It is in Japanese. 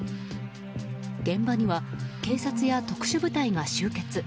現場には警察や特殊部隊が集結。